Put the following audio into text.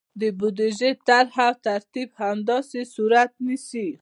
د بودیجې طرحه او ترتیب همداسې صورت نیسي.